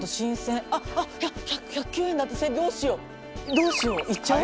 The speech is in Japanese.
どうしよう？いっちゃう？